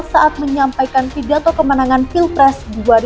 saat menyampaikan pidato kemenangan pilpres dua ribu dua puluh